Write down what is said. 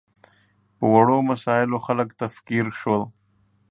په وړو مسایلو خلک تکفیر شول.